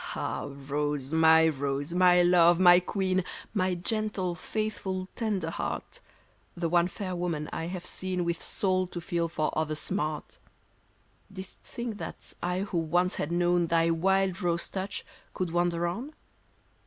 Ah, rose, m.y rose, my loVe, my queen. My gentle, faithful, tender heart ; The one fair woman I have seen With soul to feel for other's smart ; Didst think that I who once had known Thy wild rose touch could wander on